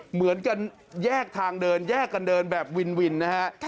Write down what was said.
เหมือนกันแยกทางเดินแยกกันเดินแบบวินวินนะฮะ